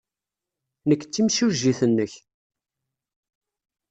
Nekk d timsujjit-nnek.